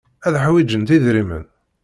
Ad ḥwijent idrimen.